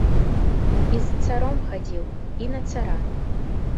І з царом хадзіў, і на цара.